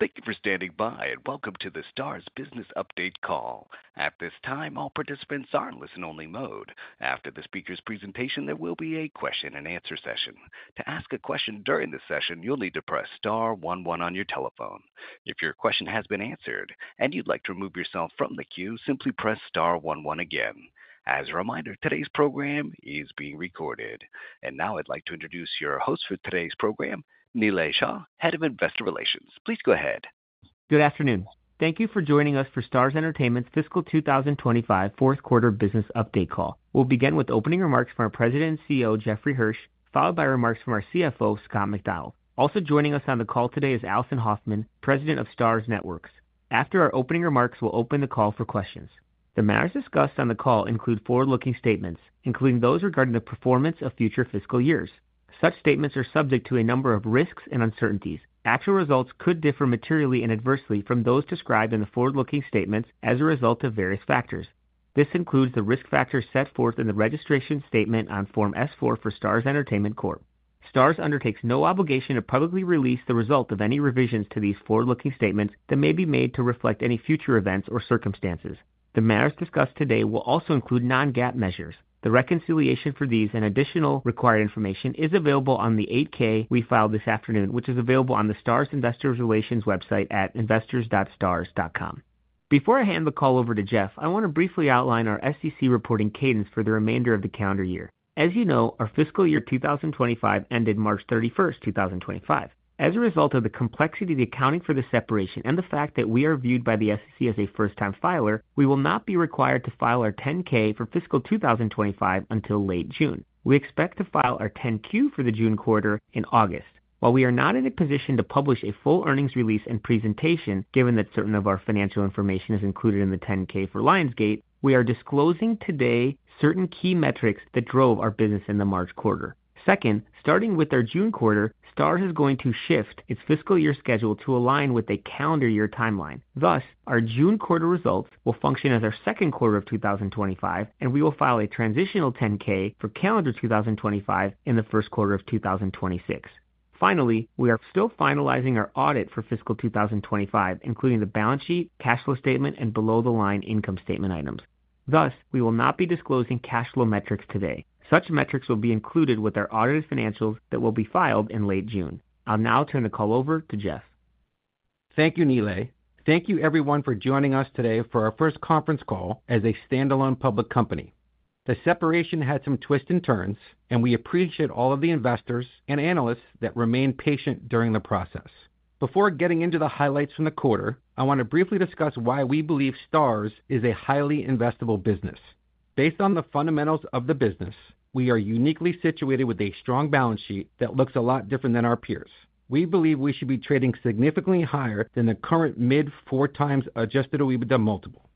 Thank you for standing by, and welcome to the Starz Business Update Call. At this time, all participants are in listen-only mode. After the speaker's presentation, there will be a question-and-answer session. To ask a question during this session, you'll need to press star one one on your telephone. If your question has been answered and you'd like to remove yourself from the queue, simply press star one one again. As a reminder, today's program is being recorded. Now I'd like to introduce your host for today's program, Nilay Shah, Head of Investor Relations. Please go ahead. Good afternoon. Thank you for joining us for Starz Entertainment's fiscal 2025 fourth quarter business update call. We'll begin with opening remarks from our President and CEO, Jeffrey Hirsch, followed by remarks from our CFO, Scott Macdonald. Also joining us on the call today is Alison Hoffman, President of Starz Networks. After our opening remarks, we'll open the call for questions. The matters discussed on the call include forward-looking statements, including those regarding the performance of future fiscal years. Such statements are subject to a number of risks and uncertainties. Actual results could differ materially and adversely from those described in the forward-looking statements as a result of various factors. This includes the risk factors set forth in the registration statement on Form S-4 for Starz Entertainment Corp. Starz undertakes no obligation to publicly release the result of any revisions to these forward-looking statements that may be made to reflect any future events or circumstances. The matters discussed today will also include non-GAAP measures. The reconciliation for these and additional required information is available on the 8-K we filed this afternoon, which is available on the Starz Investor Relations website at investors.starz.com. Before I hand the call over to Jeff, I want to briefly outline our SEC reporting cadence for the remainder of the calendar year. As you know, our fiscal year 2025 ended March 31st, 2025. As a result of the complexity of the accounting for the separation and the fact that we are viewed by the SEC as a first-time filer, we will not be required to file our 10-K for fiscal 2025 until late June. We expect to file our 10-Q for the June quarter in August. While we are not in a position to publish a full earnings release and presentation, given that certain of our financial information is included in the 10-K for Lionsgate, we are disclosing today certain key metrics that drove our business in the March quarter. Second, starting with our June quarter, Starz is going to shift its fiscal year schedule to align with a calendar year timeline. Thus, our June quarter results will function as our second quarter of 2025, and we will file a transitional 10-K for calendar 2025 in the first quarter of 2026. Finally, we are still finalizing our audit for fiscal 2025, including the balance sheet, cash flow statement, and below-the-line income statement items. Thus, we will not be disclosing cash flow metrics today. Such metrics will be included with our audited financials that will be filed in late June. I'll now turn the call over to Jeff. Thank you, Nilay. Thank you, everyone, for joining us today for our first conference call as a standalone public company. The separation had some twists and turns, and we appreciate all of the investors and analysts that remained patient during the process. Before getting into the highlights from the quarter, I want to briefly discuss why we believe Starz is a highly investable business. Based on the fundamentals of the business, we are uniquely situated with a strong balance sheet that looks a lot different than our peers. We believe we should be trading significantly higher than the current mid-four times adjusted EBITDA multiple.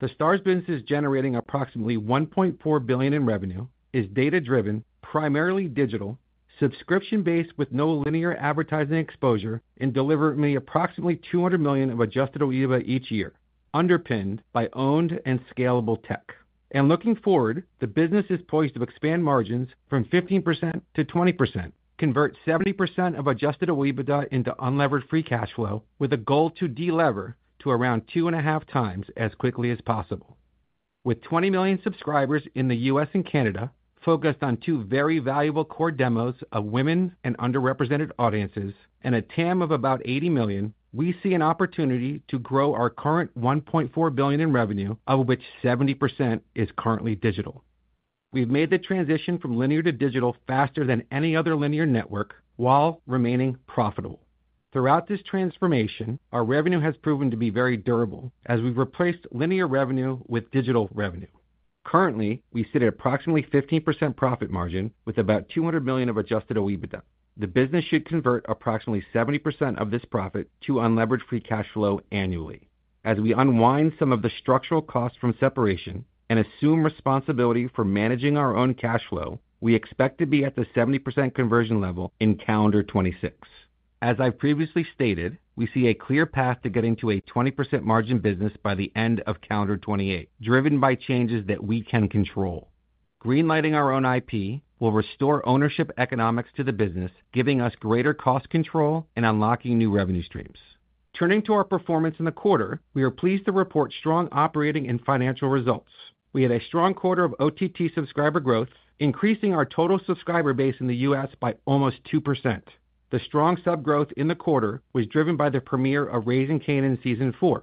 The Starz business is generating approximately $1.4 billion in revenue, is data-driven, primarily digital, subscription-based with no linear advertising exposure, and delivering approximately $200 million of adjusted EBITDA each year, underpinned by owned and scalable tech. Looking forward, the business is poised to expand margins from 15%-20%, convert 70% of adjusted EBITDA into unlevered free cash flow, with a goal to delever to around two and a half times as quickly as possible. With 20 million subscribers in the U.S. and Canada, focused on two very valuable core demos of women and underrepresented audiences, and a TAM of about 80 million, we see an opportunity to grow our current $1.4 billion in revenue, of which 70% is currently digital. We've made the transition from linear to digital faster than any other linear network while remaining profitable. Throughout this transformation, our revenue has proven to be very durable as we've replaced linear revenue with digital revenue. Currently, we sit at approximately 15% profit margin with about $200 million of adjusted EBITDA. The business should convert approximately 70% of this profit to unlevered free cash flow annually. As we unwind some of the structural costs from separation and assume responsibility for managing our own cash flow, we expect to be at the 70% conversion level in calendar 2026. As I've previously stated, we see a clear path to getting to a 20% margin business by the end of calendar 2028, driven by changes that we can control. Greenlighting our own IP will restore ownership economics to the business, giving us greater cost control and unlocking new revenue streams. Turning to our performance in the quarter, we are pleased to report strong operating and financial results. We had a strong quarter of OTT subscriber growth, increasing our total subscriber base in the U.S. by almost 2%. The strong subgrowth in the quarter was driven by the premiere of Raising Kanan Season 4.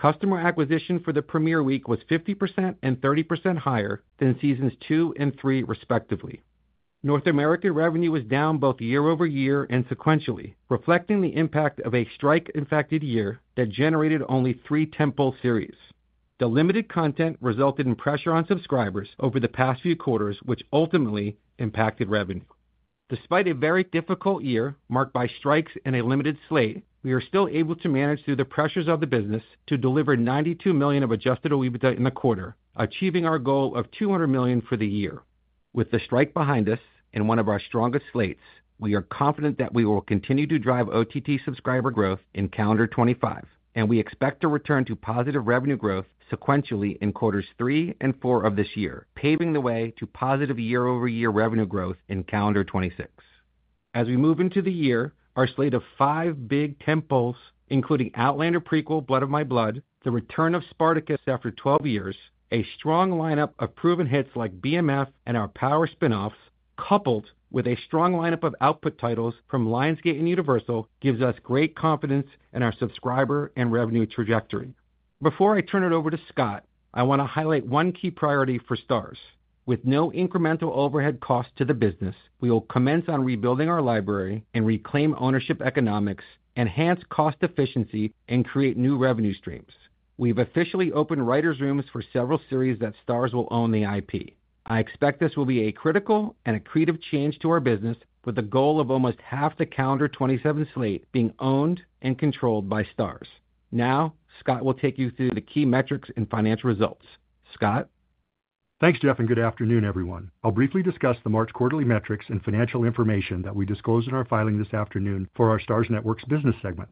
Customer acquisition for the premiere week was 50% and 30% higher than Seasons two and three, respectively. North American revenue was down both year-over-year and sequentially, reflecting the impact of a strike-infected year that generated only three tentpole series. The limited content resulted in pressure on subscribers over the past few quarters, which ultimately impacted revenue. Despite a very difficult year marked by strikes and a limited slate, we are still able to manage through the pressures of the business to deliver $92 million of adjusted EBITDA in the quarter, achieving our goal of $200 million for the year. With the strike behind us and one of our strongest slates, we are confident that we will continue to drive OTT subscriber growth in calendar 2025, and we expect to return to positive revenue growth sequentially in quarters three and four of this year, paving the way to positive year-over-year revenue growth in calendar 2026. As we move into the year, our slate of five big tentpoles, including Outlander prequel Blood of My Blood, the return of Spartacus after 12 years, a strong lineup of proven hits like BMF and our Power spin-offs, coupled with a strong lineup of output titles from Lionsgate and Universal, gives us great confidence in our subscriber and revenue trajectory. Before I turn it over to Scott, I want to highlight one key priority for Starz. With no incremental overhead cost to the business, we will commence on rebuilding our library and reclaim ownership economics, enhance cost efficiency, and create new revenue streams. We've officially opened writers' rooms for several series that Starz will own the IP. I expect this will be a critical and a creative change to our business, with the goal of almost half the calendar 2027 slate being owned and controlled by Starz. Now, Scott will take you through the key metrics and financial results. Scott. Thanks, Jeff, and good afternoon, everyone. I'll briefly discuss the March quarterly metrics and financial information that we disclose in our filing this afternoon for our Starz Networks business segment.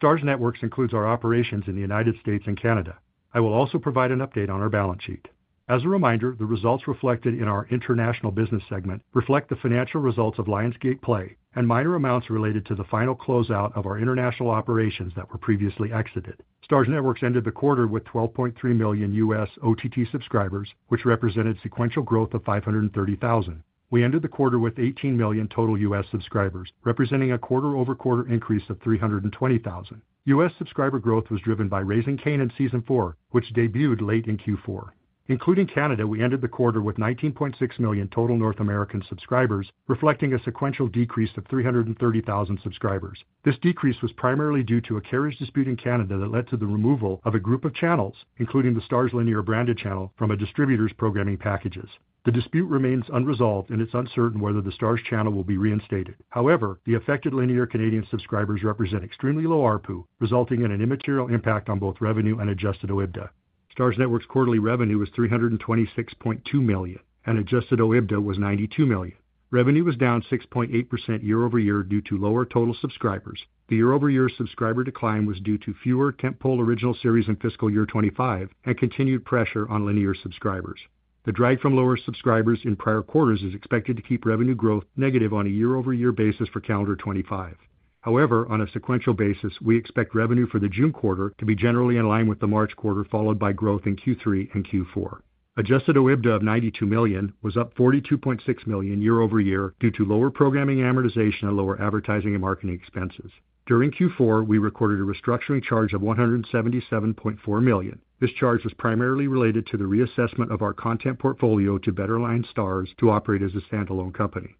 Starz Networks includes our operations in the U.S. and Canada. I will also provide an update on our balance sheet. As a reminder, the results reflected in our international business segment reflect the financial results of Lionsgate Play and minor amounts related to the final closeout of our international operations that were previously exited. Starz Networks ended the quarter with 12.3 million U.S. OTT subscribers, which represented sequential growth of 530,000. We ended the quarter with 18 million total U.S. subscribers, representing a quarter-over-quarter increase of 320,000. U.S. subscriber growth was driven by Raising Kanan Season 4, which debuted late in Q4. Including Canada, we ended the quarter with 19.6 million total North American subscribers, reflecting a sequential decrease of 330,000 subscribers. This decrease was primarily due to a carriage dispute in Canada that led to the removal of a group of channels, including the Starz Linear branded channel, from a distributor's programming packages. The dispute remains unresolved, and it's uncertain whether the Starz channel will be reinstated. However, the affected linear Canadian subscribers represent extremely low ARPU, resulting in an immaterial impact on both revenue and adjusted EBITDA. Starz Networks' quarterly revenue was $326.2 million, and adjusted EBITDA was $92 million. Revenue was down 6.8% year-over-year due to lower total subscribers. The year-over-year subscriber decline was due to fewer tentpole original series in fiscal year 2025 and continued pressure on linear subscribers. The drag from lower subscribers in prior quarters is expected to keep revenue growth negative on a year-over-year basis for calendar 2025. However, on a sequential basis, we expect revenue for the June quarter to be generally in line with the March quarter, followed by growth in Q3 and Q4. Adjusted EBITDA of $92 million was up $42.6 million year-over-year due to lower programming amortization and lower advertising and marketing expenses. During Q4, we recorded a restructuring charge of $177.4 million. This charge was primarily related to the reassessment of our content portfolio to better align Starz to operate as a standalone company.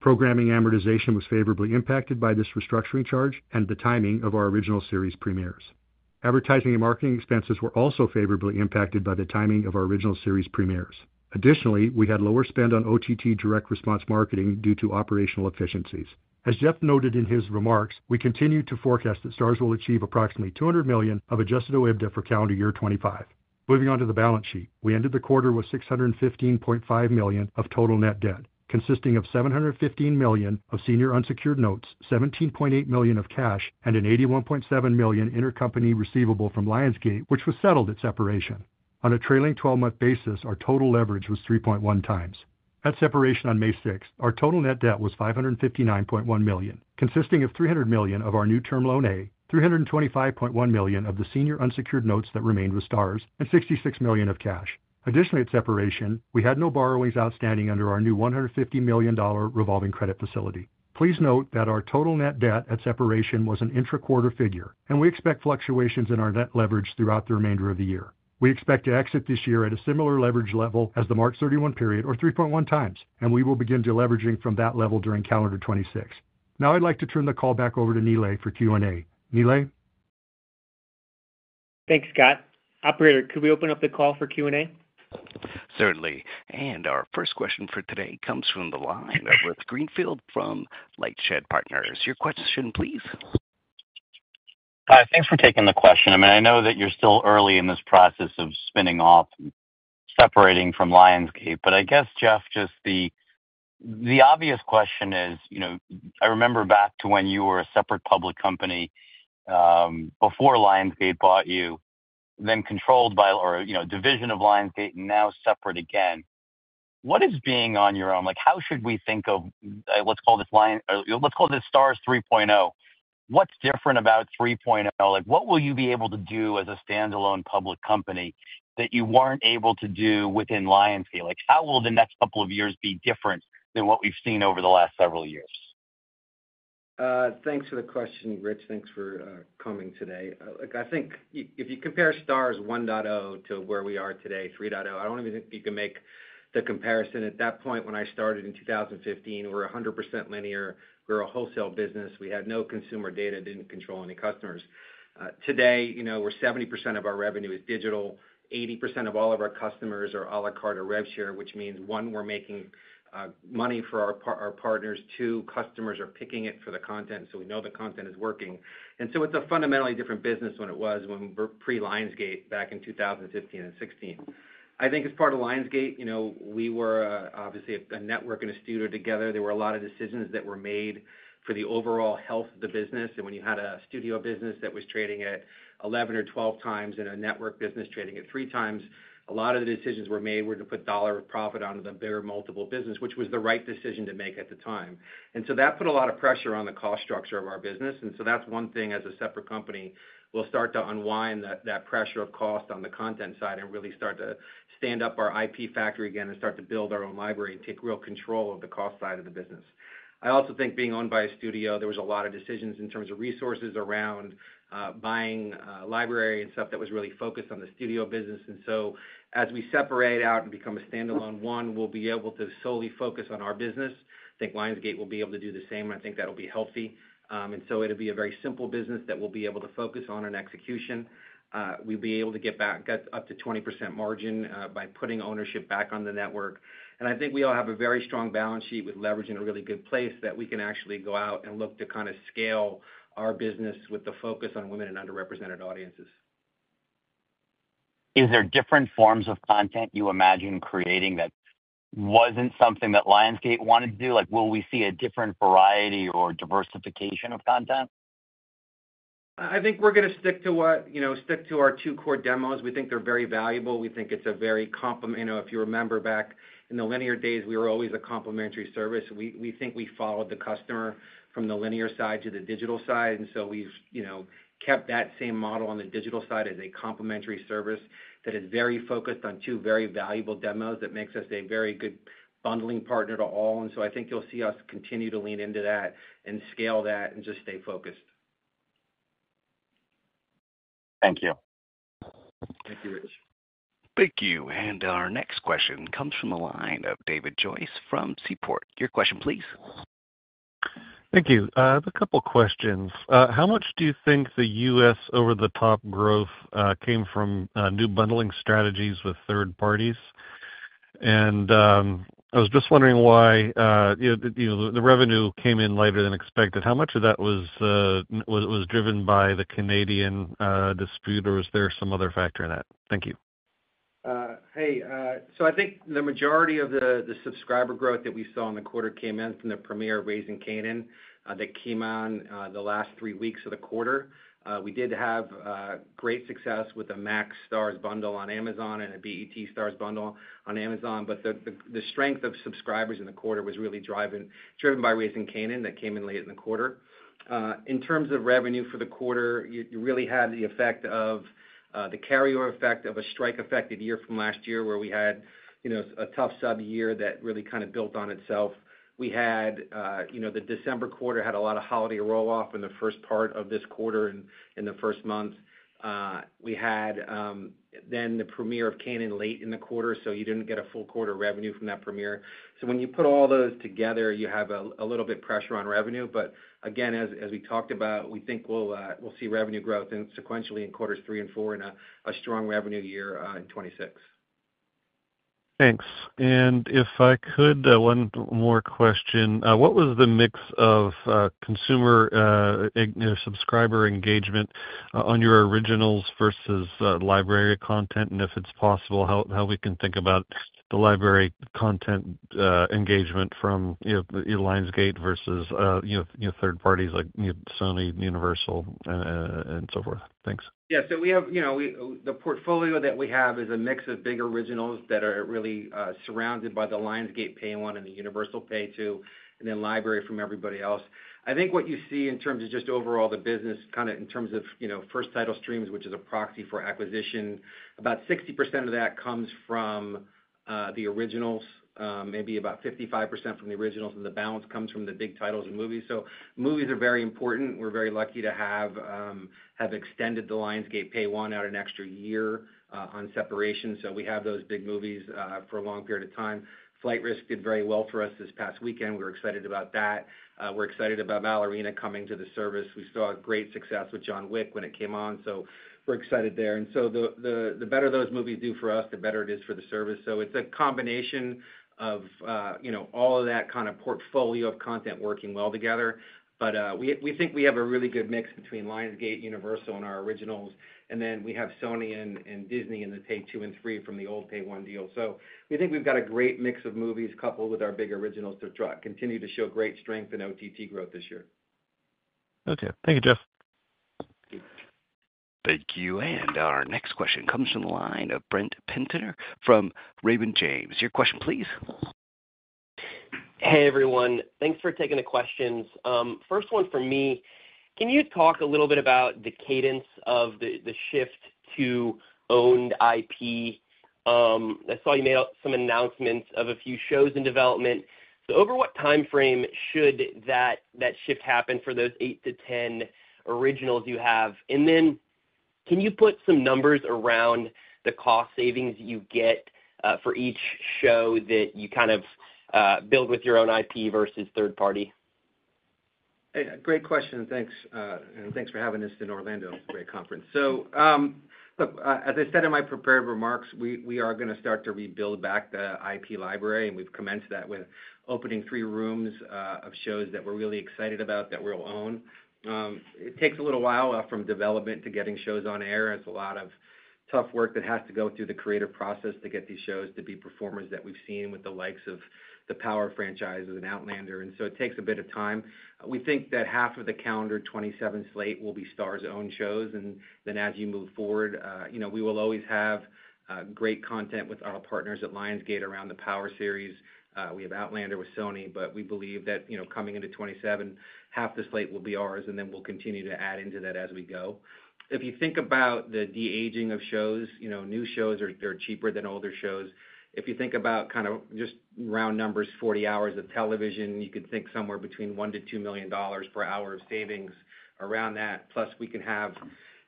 Programming amortization was favorably impacted by this restructuring charge and the timing of our original series premieres. Advertising and marketing expenses were also favorably impacted by the timing of our original series premieres. Additionally, we had lower spend on OTT direct response marketing due to operational efficiencies. As Jeff noted in his remarks, we continue to forecast that Starz will achieve approximately $200 million of adjusted EBITDA for calendar year 2025. Moving on to the balance sheet, we ended the quarter with $615.5 million of total net debt, consisting of $715 million of senior unsecured notes, $17.8 million of cash, and an $81.7 million intercompany receivable from Lionsgate, which was settled at separation. On a trailing 12-month basis, our total leverage was 3.1 times. At separation on May 6, our total net debt was $559.1 million, consisting of $300 million of our new term loan A, $325.1 million of the senior unsecured notes that remained with Starz, and $66 million of cash. Additionally, at separation, we had no borrowings outstanding under our new $150 million revolving credit facility. Please note that our total net debt at separation was an intra-quarter figure, and we expect fluctuations in our net leverage throughout the remainder of the year. We expect to exit this year at a similar leverage level as the March 31 period or 3.1 times, and we will begin deleveraging from that level during calendar 2026. Now, I'd like to turn the call back over to Nilay for Q&A. Nilay. Thanks, Scott. Operator, could we open up the call for Q&A? Certainly. Our first question for today comes from the line of Rich Greenfield from LightShed Partners. Your question, please. Hi. Thanks for taking the question. I mean, I know that you're still early in this process of spinning off and separating from Lionsgate, but I guess, Jeff, just the obvious question is, I remember back to when you were a separate public company before Lionsgate bought you, then controlled by or a division of Lionsgate and now separate again. What is being on your own? How should we think of, let's call this Starz 3.0? What's different about 3.0? What will you be able to do as a standalone public company that you weren't able to do within Lionsgate? How will the next couple of years be different than what we've seen over the last several years? Thanks for the question, Rich. Thanks for coming today. I think if you compare Starz 1.0 to where we are today, 3.0, I do not even think you can make the comparison. At that point, when I started in 2015, we were 100% linear. We were a wholesale business. We had no consumer data, did not control any customers. Today, 70% of our revenue is digital. 80% of all of our customers are à la carte or rev share, which means, one, we are making money for our partners. Two, customers are picking it for the content, so we know the content is working. It is a fundamentally different business than it was when we were pre-Lionsgate back in 2015 and 2016. I think as part of Lionsgate, we were obviously a network and a studio together. There were a lot of decisions that were made for the overall health of the business. When you had a studio business that was trading at 11 or 12 times and a network business trading at three times, a lot of the decisions were made we're going to put dollar of profit onto the bigger multiple business, which was the right decision to make at the time. That put a lot of pressure on the cost structure of our business. That is one thing as a separate company. We'll start to unwind that pressure of cost on the content side and really start to stand up our IP factory again and start to build our own library and take real control of the cost side of the business. I also think being owned by a studio, there was a lot of decisions in terms of resources around buying library and stuff that was really focused on the studio business. As we separate out and become a standalone one, we'll be able to solely focus on our business. I think Lionsgate will be able to do the same, and I think that'll be healthy. It will be a very simple business that we'll be able to focus on and execution. We'll be able to get back up to 20% margin by putting ownership back on the network. I think we all have a very strong balance sheet with leverage in a really good place that we can actually go out and look to kind of scale our business with the focus on women and underrepresented audiences. Is there different forms of content you imagine creating that wasn't something that Lionsgate wanted to do? Will we see a different variety or diversification of content? I think we're going to stick to our two core demos. We think they're very valuable. We think it's very complementary. If you remember back in the linear days, we were always a complementary service. We think we followed the customer from the linear side to the digital side. We have kept that same model on the digital side as a complementary service that is very focused on two very valuable demos that makes us a very good bundling partner to all. I think you'll see us continue to lean into that and scale that and just stay focused. Thank you. Thank you, Rich. Thank you. Our next question comes from the line of David Joyce from Seaport. Your question, please. Thank you. I have a couple of questions. How much do you think the U.S. over-the-top growth came from new bundling strategies with third parties? I was just wondering why the revenue came in later than expected. How much of that was driven by the Canadian dispute, or was there some other factor in that? Thank you. Hey. I think the majority of the subscriber growth that we saw in the quarter came in from the premiere Raising Kanan that came on the last three weeks of the quarter. We did have great success with a Max Starz bundle on Amazon and a BET Starz bundle on Amazon, but the strength of subscribers in the quarter was really driven by Raising Kanan that came in late in the quarter. In terms of revenue for the quarter, you really had the effect of the carryover effect of a strike-affected year from last year where we had a tough sub-year that really kind of built on itself. We had the December quarter had a lot of holiday roll-off in the first part of this quarter and in the first month. We had then the premiere of Raising Kanan late in the quarter, so you did not get a full quarter revenue from that premiere. When you put all those together, you have a little bit of pressure on revenue. Again, as we talked about, we think we will see revenue growth sequentially in quarters three and four and a strong revenue year in 2026. Thanks. If I could, one more question. What was the mix of consumer subscriber engagement on your originals versus library content? If it's possible, how we can think about the library content engagement from Lionsgate versus third parties like Sony, Universal, and so forth. Thanks. Yeah. The portfolio that we have is a mix of big originals that are really surrounded by the Lionsgate Pay 1 and the Universal Pay 2, and then library from everybody else. I think what you see in terms of just overall the business kind of in terms of first title streams, which is a proxy for acquisition, about 60% of that comes from the originals, maybe about 55% from the originals, and the balance comes from the big titles and movies. Movies are very important. We're very lucky to have extended the Lionsgate Pay 1 out an extra year on separation. We have those big movies for a long period of time. Flight Risk did very well for us this past weekend. We were excited about that. We're excited about Ballerina coming to the service. We saw great success with John Wick when it came on. We're excited there. The better those movies do for us, the better it is for the service. It's a combination of all of that kind of portfolio of content working well together. We think we have a really good mix between Lionsgate, Universal, and our originals. We have Sony and Disney in the Pay 2 and 3 from the old Pay 1 deal. We think we've got a great mix of movies coupled with our big originals to continue to show great strength in OTT growth this year. Okay. Thank you, Jeff. Thank you. Our next question comes from the line of Brent Penter from Raymond James. Your question, please. Hey, everyone. Thanks for taking the questions. First one for me. Can you talk a little bit about the cadence of the shift to owned IP? I saw you made some announcements of a few shows in development. Over what timeframe should that shift happen for those 8-10 originals you have? Can you put some numbers around the cost savings you get for each show that you kind of build with your own IP versus third-party? Great question. Thanks. And thanks for having us in Orlando. It's a great conference. As I said in my prepared remarks, we are going to start to rebuild back the IP library, and we've commenced that with opening three rooms of shows that we're really excited about that we'll own. It takes a little while from development to getting shows on air. It's a lot of tough work that has to go through the creative process to get these shows to be performers that we've seen with the likes of the Power franchise and Outlander. It takes a bit of time. We think that half of the calendar 2027 slate will be Starz's own shows. As you move forward, we will always have great content with our partners at Lionsgate around the Power series. We have Outlander with Sony, but we believe that coming into 2027, half the slate will be ours, and then we'll continue to add into that as we go. If you think about the de-aging of shows, new shows are cheaper than older shows. If you think about kind of just round numbers, 40 hours of television, you could think somewhere between $1 million-$2 million per hour of savings around that. Plus, we can have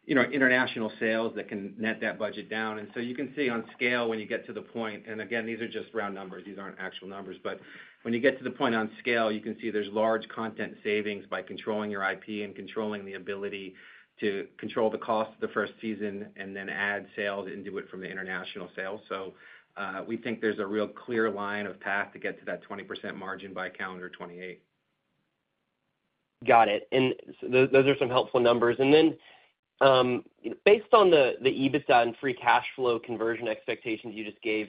international sales that can net that budget down. You can see on scale when you get to the point, and again, these are just round numbers. These aren't actual numbers. When you get to the point on scale, you can see there's large content savings by controlling your IP and controlling the ability to control the cost of the first season and then add sales and do it from the international sales. We think there's a real clear line of path to get to that 20% margin by calendar 2028. Got it. Those are some helpful numbers. Based on the EBITDA and free cash flow conversion expectations you just gave,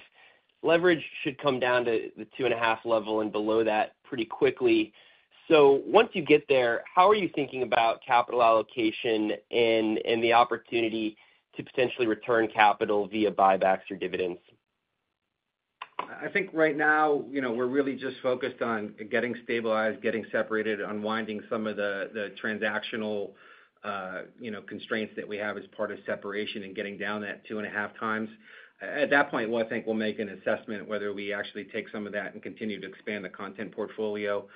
leverage should come down to the 2.5 level and below that pretty quickly. Once you get there, how are you thinking about capital allocation and the opportunity to potentially return capital via buybacks or dividends? I think right now we're really just focused on getting stabilized, getting separated, unwinding some of the transactional constraints that we have as part of separation and getting down that 2.5 times. At that point, I think we'll make an assessment whether we actually take some of that and continue to expand the content portfolio.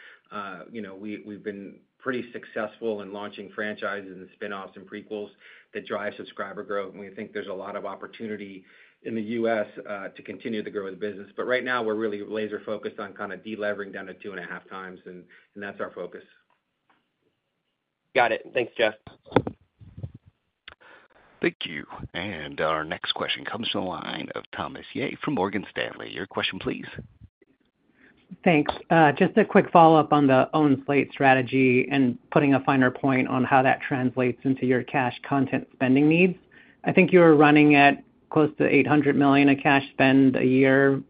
We've been pretty successful in launching franchises and spinoffs and prequels that drive subscriber growth. We think there's a lot of opportunity in the U.S. to continue to grow the business. Right now, we're really laser-focused on kind of deleveraging down to 2.5 times, and that's our focus. Got it. Thanks, Jeff. Thank you. Our next question comes from the line of Thomas Yeh from Morgan Stanley. Your question, please. Thanks. Just a quick follow-up on the own slate strategy and putting a finer point on how that translates into your cash content spending needs. I think you're running at close to $800 million in cash spend a year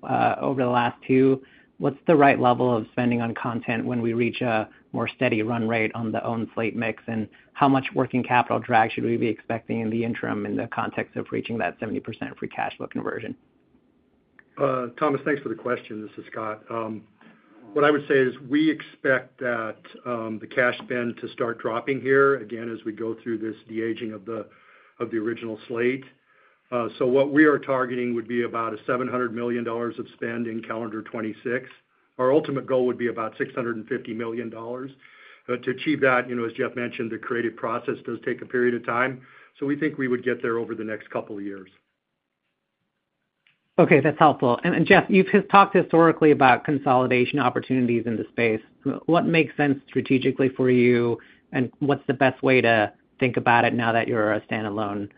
over the last two. What's the right level of spending on content when we reach a more steady run rate on the own slate mix? And how much working capital drag should we be expecting in the interim in the context of reaching that 70% free cash flow conversion? Thomas, thanks for the question. This is Scott. What I would say is we expect that the cash spend to start dropping here again as we go through this de-aging of the original slate. What we are targeting would be about $700 million of spend in calendar 2026. Our ultimate goal would be about $650 million. To achieve that, as Jeff mentioned, the creative process does take a period of time. We think we would get there over the next couple of years. Okay. That's helpful. Jeff, you've talked historically about consolidation opportunities in the space. What makes sense strategically for you, and what's the best way to think about it now that you're a standalone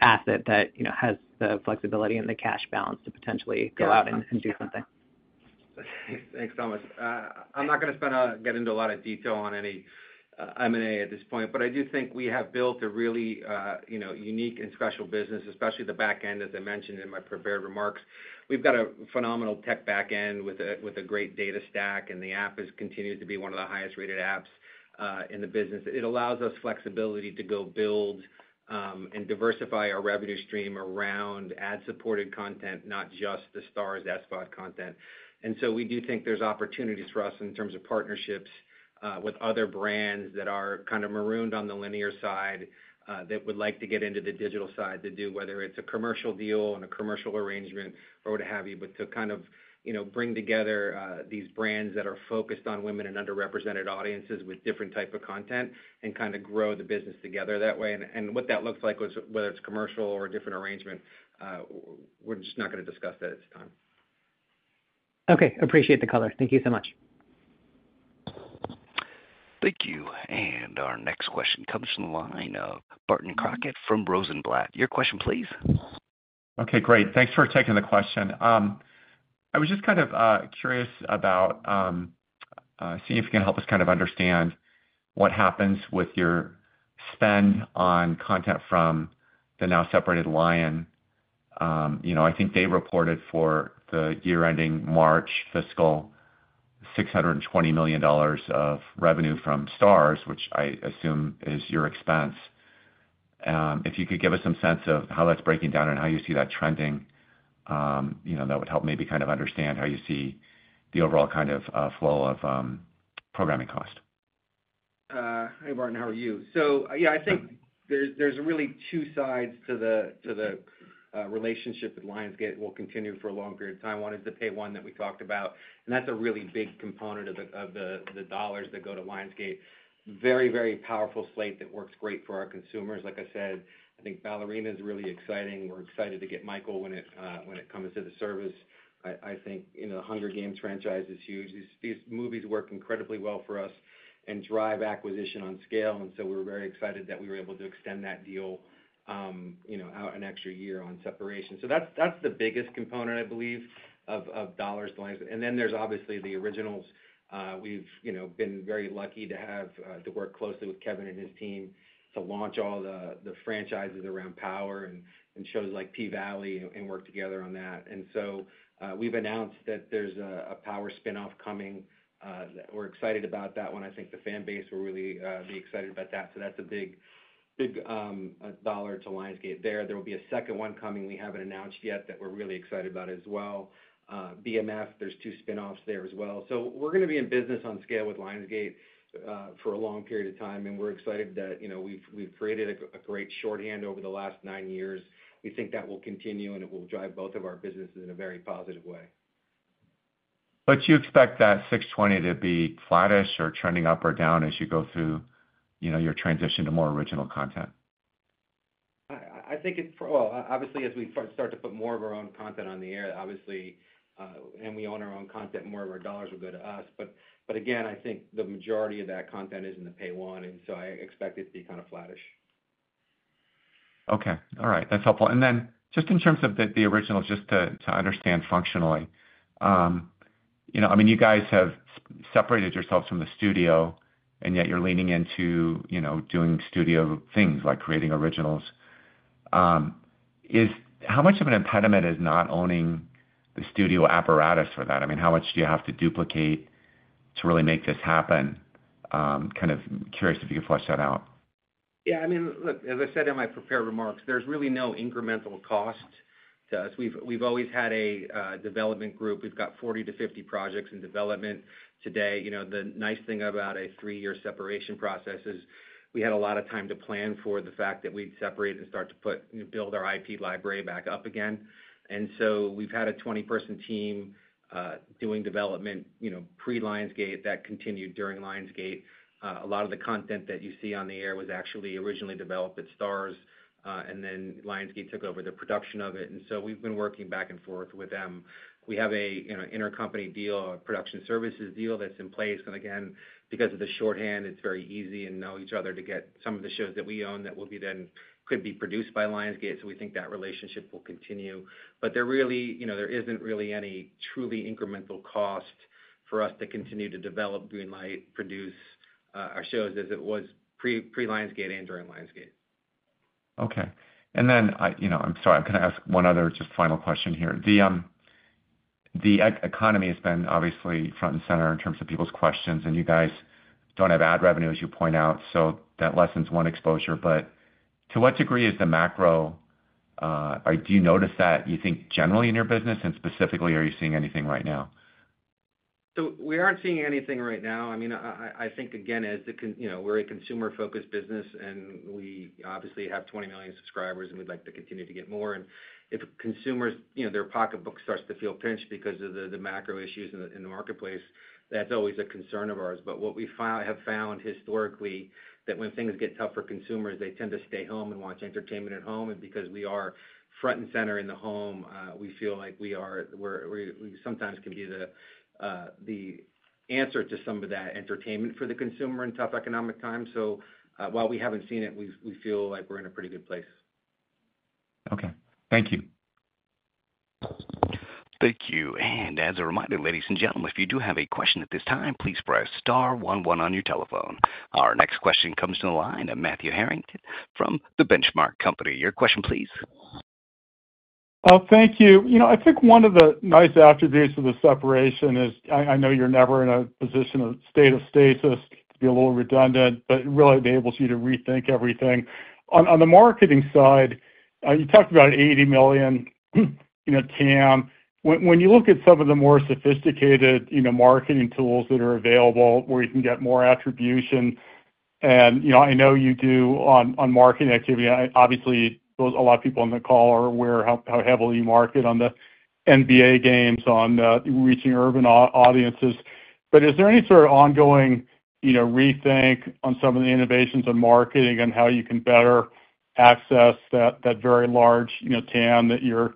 asset that has the flexibility and the cash balance to potentially go out and do something? Thanks, Thomas. I'm not going to get into a lot of detail on any M&A at this point, but I do think we have built a really unique and special business, especially the backend, as I mentioned in my prepared remarks. We've got a phenomenal tech backend with a great data stack, and the app continues to be one of the highest-rated apps in the business. It allows us flexibility to go build and diversify our revenue stream around ad-supported content, not just the Starz SVOD content. We do think there's opportunities for us in terms of partnerships with other brands that are kind of marooned on the linear side that would like to get into the digital side to do whether it's a commercial deal and a commercial arrangement or what have you, but to kind of bring together these brands that are focused on women and underrepresented audiences with different types of content and kind of grow the business together that way. What that looks like, whether it's commercial or a different arrangement, we're just not going to discuss that at this time. Okay. Appreciate the color. Thank you so much. Thank you. Our next question comes from the line of Barton Crockett from Rosenblatt. Your question, please. Okay. Great. Thanks for taking the question. I was just kind of curious about seeing if you can help us kind of understand what happens with your spend on content from the now separated Lion. I think they reported for the year ending March fiscal $620 million of revenue from Starz, which I assume is your expense. If you could give us some sense of how that's breaking down and how you see that trending, that would help maybe kind of understand how you see the overall kind of flow of programming cost. Hey, Barton. How are you? Yeah, I think there's really two sides to the relationship that Lionsgate will continue for a long period of time. One is the Pay 1 that we talked about. That's a really big component of the dollars that go to Lionsgate. Very, very powerful slate that works great for our consumers. Like I said, I think Ballerina is really exciting. We're excited to get Michael when it comes to the service. I think the Hunger Games franchise is huge. These movies work incredibly well for us and drive acquisition on scale. We are very excited that we were able to extend that deal out an extra year on separation. That's the biggest component, I believe, of dollars to Lionsgate. Then there's obviously the originals. We've been very lucky to work closely with Kevin and his team to launch all the franchises around Power and shows like P-Valley and work together on that. We have announced that there's a Power spinoff coming. We're excited about that one. I think the fan base will really be excited about that. That's a big dollar to Lionsgate there. There will be a second one coming. We haven't announced yet that we're really excited about as well. BMF, there's two spinoffs there as well. We're going to be in business on scale with Lionsgate for a long period of time. We're excited that we've created a great shorthand over the last nine years. We think that will continue, and it will drive both of our businesses in a very positive way. You expect that 620 to be flattish or trending up or down as you go through your transition to more original content? I think it's probably obvious as we start to put more of our own content on the air, obviously, and we own our own content, more of our dollars will go to us. Again, I think the majority of that content is in the Pay 1. I expect it to be kind of flattish. Okay. All right. That's helpful. In terms of the originals, just to understand functionally, I mean, you guys have separated yourselves from the studio, and yet you're leaning into doing studio things like creating originals. How much of an impediment is not owning the studio apparatus for that? I mean, how much do you have to duplicate to really make this happen? Kind of curious if you could flesh that out. Yeah. I mean, look, as I said in my prepared remarks, there's really no incremental cost to us. We've always had a development group. We've got 40-50 projects in development today. The nice thing about a three-year separation process is we had a lot of time to plan for the fact that we'd separate and start to build our IP library back up again. We've had a 20-person team doing development pre-Lionsgate that continued during Lionsgate. A lot of the content that you see on the air was actually originally developed at Starz, and then Lionsgate took over the production of it. We've been working back and forth with them. We have an intercompany deal, a production services deal that's in place. Again, because of the shorthand, it's very easy and we know each other to get some of the shows that we own that could be produced by Lionsgate. We think that relationship will continue. There isn't really any truly incremental cost for us to continue to develop, greenlight, produce our shows as it was pre-Lionsgate and during Lionsgate. Okay. I'm sorry, I'm going to ask one other just final question here. The economy has been obviously front and center in terms of people's questions, and you guys don't have ad revenue, as you point out, so that lessens one exposure. To what degree is the macro? Do you notice that you think generally in your business, and specifically, are you seeing anything right now? We aren't seeing anything right now. I mean, I think, again, we're a consumer-focused business, and we obviously have 20 million subscribers, and we'd like to continue to get more. If consumers, their pocketbook starts to feel pinched because of the macro issues in the marketplace, that's always a concern of ours. What we have found historically is that when things get tough for consumers, they tend to stay home and watch entertainment at home. Because we are front and center in the home, we feel like we sometimes can be the answer to some of that entertainment for the consumer in tough economic times. While we haven't seen it, we feel like we're in a pretty good place. Okay. Thank you. Thank you. As a reminder, ladies and gentlemen, if you do have a question at this time, please press star one one on your telephone. Our next question comes from the line of Matthew Harrigan from The Benchmark Company. Your question, please. Thank you. I think one of the nice attributes of the separation is I know you're never in a position of state of stasis, to be a little redundant, but it really enables you to rethink everything. On the marketing side, you talked about 80 million TAM. When you look at some of the more sophisticated marketing tools that are available where you can get more attribution, and I know you do on marketing activity, obviously, a lot of people on the call are aware of how heavily you market on the NBA games on reaching urban audiences. Is there any sort of ongoing rethink on some of the innovations in marketing and how you can better access that very large TAM that you're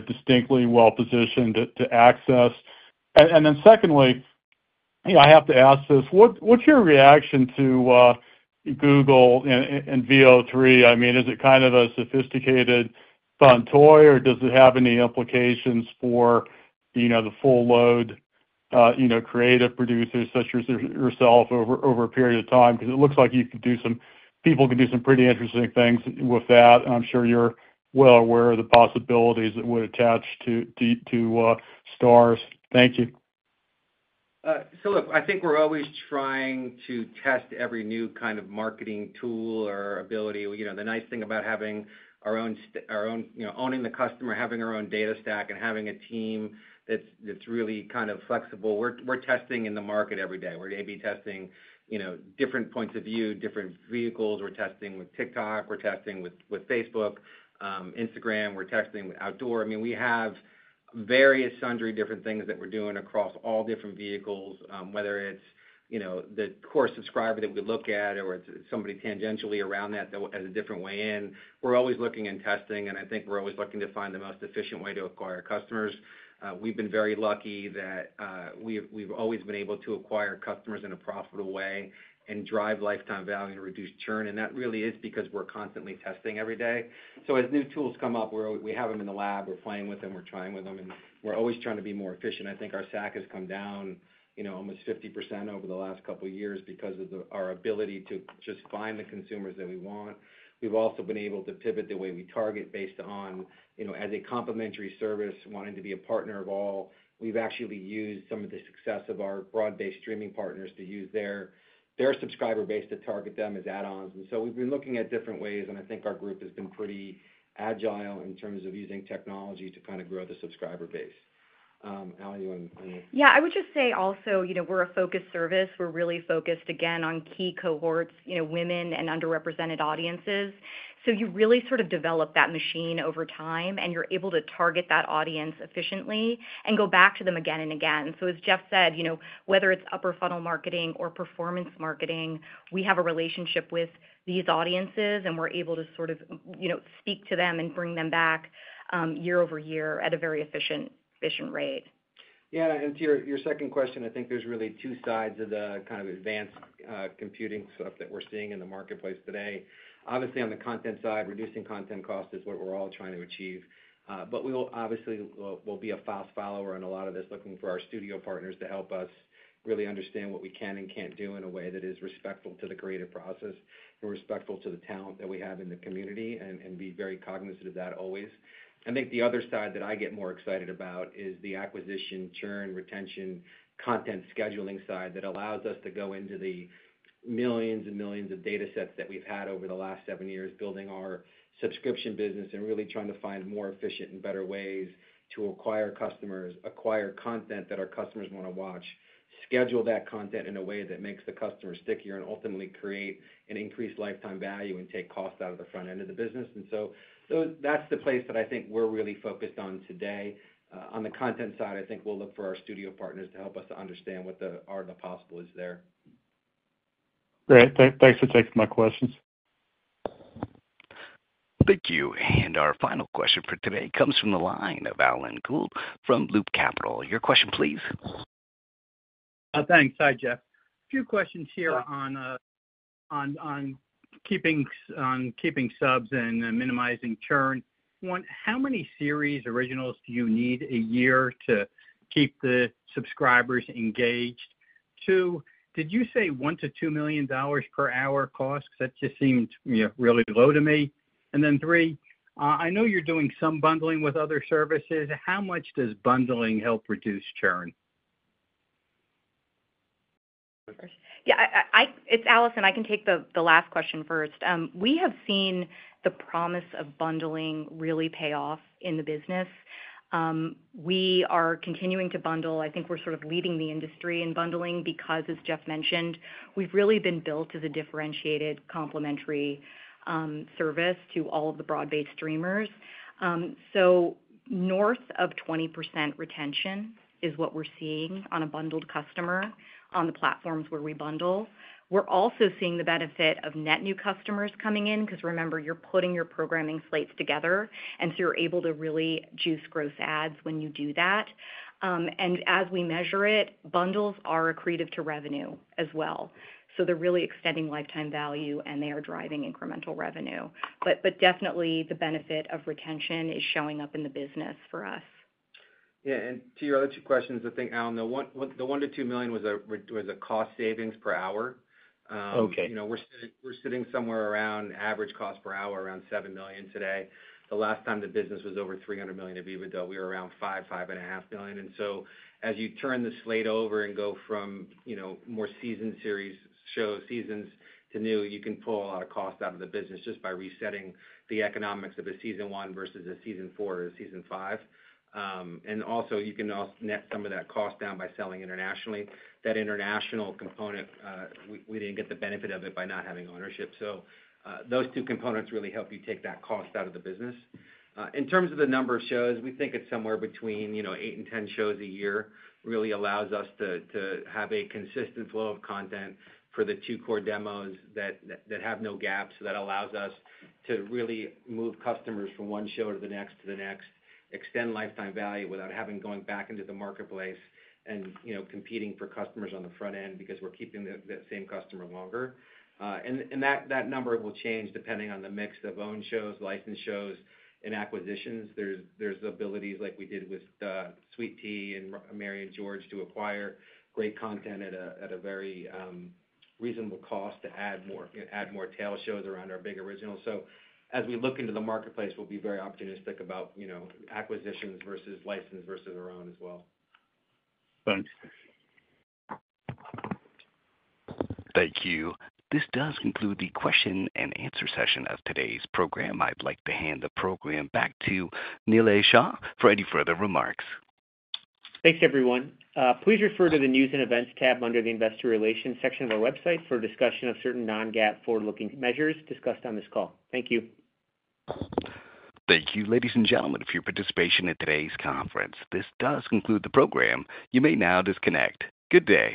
distinctly well-positioned to access? Secondly, I have to ask this. What's your reaction to Google and VO3? I mean, is it kind of a sophisticated fun toy, or does it have any implications for the full load creative producers such as yourself over a period of time? Because it looks like people can do some pretty interesting things with that. I'm sure you're well aware of the possibilities it would attach to Starz. Thank you. Look, I think we're always trying to test every new kind of marketing tool or ability. The nice thing about having our own, owning the customer, having our own data stack, and having a team that's really kind of flexible, we're testing in the market every day. We're maybe testing different points of view, different vehicles. We're testing with TikTok. We're testing with Facebook, Instagram. We're testing outdoor. I mean, we have various sundry different things that we're doing across all different vehicles, whether it's the core subscriber that we look at or it's somebody tangentially around that as a different way in. We're always looking and testing, and I think we're always looking to find the most efficient way to acquire customers. We've been very lucky that we've always been able to acquire customers in a profitable way and drive lifetime value and reduce churn. That really is because we're constantly testing every day. As new tools come up, we have them in the lab. We're playing with them. We're trying with them. We're always trying to be more efficient. I think our SAC has come down almost 50% over the last couple of years because of our ability to just find the consumers that we want. We've also been able to pivot the way we target based on, as a complimentary service, wanting to be a partner of all. We've actually used some of the success of our broad-based streaming partners to use their subscriber base to target them as add-ons. We've been looking at different ways, and I think our group has been pretty agile in terms of using technology to kind of grow the subscriber base. How are you on? Yeah. I would just say also we're a focused service. We're really focused, again, on key cohorts, women and underrepresented audiences. You really sort of develop that machine over time, and you're able to target that audience efficiently and go back to them again and again. As Jeff said, whether it's upper-funnel marketing or performance marketing, we have a relationship with these audiences, and we're able to sort of speak to them and bring them back year-over-year at a very efficient rate. Yeah. To your second question, I think there's really two sides of the kind of advanced computing stuff that we're seeing in the marketplace today. Obviously, on the content side, reducing content cost is what we're all trying to achieve. We'll obviously be a fast follower in a lot of this, looking for our studio partners to help us really understand what we can and can't do in a way that is respectful to the creative process and respectful to the talent that we have in the community and be very cognizant of that always. I think the other side that I get more excited about is the acquisition, churn, retention, content scheduling side that allows us to go into the millions and millions of data sets that we've had over the last seven years, building our subscription business and really trying to find more efficient and better ways to acquire customers, acquire content that our customers want to watch, schedule that content in a way that makes the customer stickier and ultimately create an increased lifetime value and take cost out of the front end of the business. That is the place that I think we're really focused on today. On the content side, I think we'll look for our studio partners to help us understand what are the possibilities there. Great. Thanks for taking my questions. Thank you. Our final question for today comes from the line of Alan Gould from Loop Capital. Your question, please. Thanks. Hi, Jeff. A few questions here on keeping subs and minimizing churn. One, how many series originals do you need a year to keep the subscribers engaged? Two, did you say $1 million-2 million per hour cost? Because that just seemed really low to me. And then three, I know you're doing some bundling with other services. How much does bundling help reduce churn? Yeah. It's Alison. I can take the last question first. We have seen the promise of bundling really pay off in the business. We are continuing to bundle. I think we're sort of leading the industry in bundling because, as Jeff mentioned, we've really been built as a differentiated complimentary service to all of the broad-based streamers. North of 20% retention is what we're seeing on a bundled customer on the platforms where we bundle. We're also seeing the benefit of net new customers coming in because, remember, you're putting your programming slates together, and you're able to really juice gross ads when you do that. As we measure it, bundles are accretive to revenue as well. They're really extending lifetime value, and they are driving incremental revenue. Definitely, the benefit of retention is showing up in the business for us. Yeah. To your other two questions, I think, Alan, the $1 million-$2 million was a cost savings per hour. We're sitting somewhere around average cost per hour around $7 million today. The last time the business was over $300 million EBITDA, we were around $5 million-$5.5 million. As you turn the slate over and go from more series show seasons to new, you can pull a lot of cost out of the business just by resetting the economics of a season one versus a season four or a season five. You can also net some of that cost down by selling internationally. That international component, we did not get the benefit of it by not having ownership. Those two components really help you take that cost out of the business. In terms of the number of shows, we think it's somewhere between 8 and 10 shows a year really allows us to have a consistent flow of content for the two core demos that have no gaps. That allows us to really move customers from one show to the next to the next, extend lifetime value without having to go back into the marketplace and competing for customers on the front end because we're keeping that same customer longer. That number will change depending on the mix of owned shows, licensed shows, and acquisitions. There are abilities like we did with Sweetpea and Mary & George to acquire great content at a very reasonable cost to add more tail shows around our big originals. As we look into the marketplace, we'll be very opportunistic about acquisitions versus licensed versus our own as well. Thanks. Thank you. This does conclude the question-and-answer session of today's program. I'd like to hand the program back to Nilay Shah for any further remarks. Thanks, everyone. Please refer to the news and events tab under the investor relations section of our website for discussion of certain non-GAAP forward-looking measures discussed on this call. Thank you. Thank you, ladies and gentlemen, for your participation in today's conference. This does conclude the program. You may now disconnect. Good day.